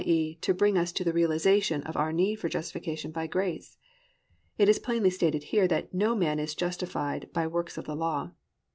e., to bring us to the realisation of our need of justification by grace. It is plainly stated here that no man is justified by works of the law.